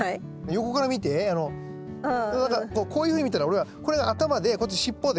横から見てこういうふうに見たら俺はこれが頭でこっち尻尾で。